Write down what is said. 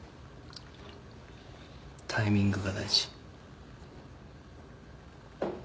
タイミングが大事。